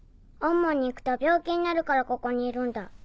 おんもに行くと病気になるからここにいるんだ。